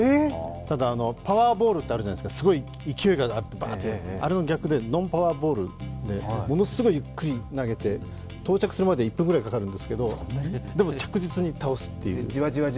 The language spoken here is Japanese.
ただ、パワーボールってあるじゃないですか、すごい勢いのある、あれの逆でノンパワーボールでものすごいゆっくり投げて到着するまで１分ぐらいかかるんですけどでも着実に倒すという。